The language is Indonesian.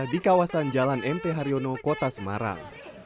di kawasan jalan mt haryono kota semarang